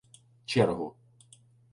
чергу.